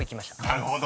［なるほど。